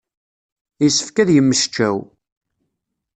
Yessefk ad yemmecčaw.